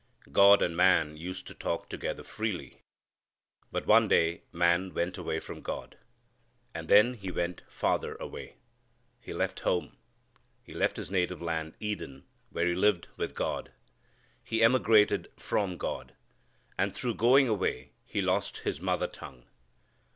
God and man used to talk together freely. But one day man went away from God. And then he went farther away. He left home. He left his native land, Eden, where he lived with God. He emigrated from God. And through going away he lost his mother tongue.